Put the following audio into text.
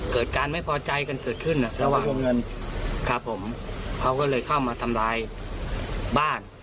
เกิดการไม่พอใจกันเสร็จขึ้นครับผมเขาก็เลยเข้ามาทำร้ายบ้าน